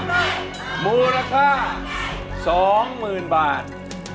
เพลงที่๓มูลค่า๒มื้นบาท